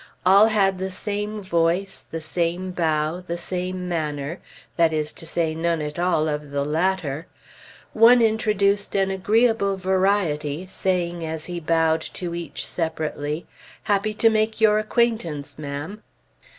All had the same voice, the same bow, the same manner that is to say none at all of the latter; one introduced an agreeable variety, saying as he bowed to each separately, "Happy to make your acquaintance, ma'am."